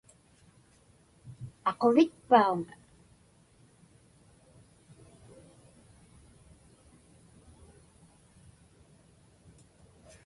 Aquvitpauŋ?